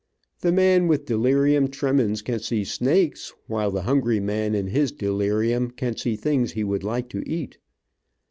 The man with delirium tremens can see snakes, while the hungry man, in his delirium, can see things he would like to eat.